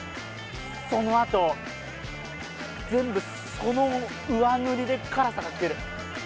そのあと、全部その上塗りで辛さが来てる。